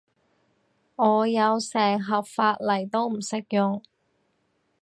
我有成盒髮泥都唔識用